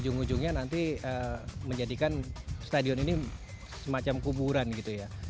ujung ujungnya nanti menjadikan stadion ini semacam kuburan gitu ya